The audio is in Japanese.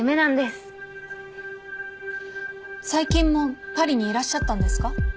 最近もパリにいらっしゃったんですか？